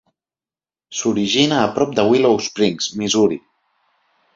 S'origina a prop de Willow Springs, Missouri.